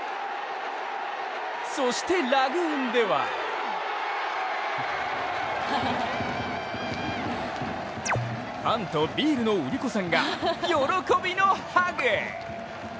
そして、ラグーンではファンとビールの売り子さんが喜びのハグ。